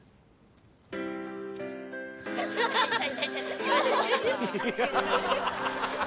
「ハハハハ！